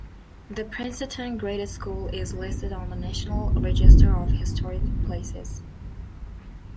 The Princeton Graded School is listed on the National Register of Historic Places.